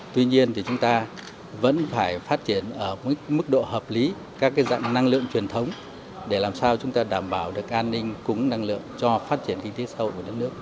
tuy nhiên thì chúng ta vẫn phải phát triển ở mức độ hợp lý các dạng năng lượng truyền thống để làm sao chúng ta đảm bảo được an ninh cúng năng lượng cho phát triển kinh tế sâu của đất nước